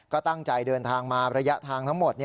ก็ตั้งใจเดินทางมาระยะทางทั้งหมด